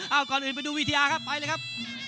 เอาก่อนอื่นไปดูวิทยาครับไปเลยครับ